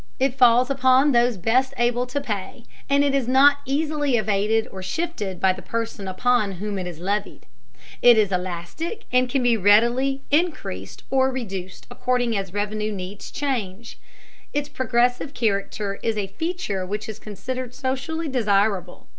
It falls upon those best able to pay, and it is not easily evaded or shifted by the person upon whom it is levied. It is elastic and can readily be increased or reduced according as revenue needs change. Its progressive character is a feature which is considered socially desirable.